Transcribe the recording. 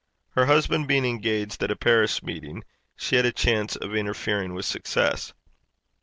Her husband being engaged at a parish meeting, she had a chance of interfering with success.